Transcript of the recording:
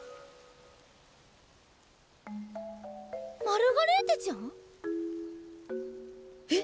マルガレーテちゃん？え？